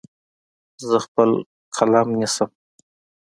زه خپل قلم نیسم.